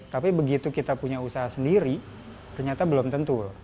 tapi begitu kita punya usaha sendiri ternyata belum tentu